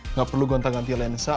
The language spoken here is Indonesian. nggak perlu gonta ganti lensa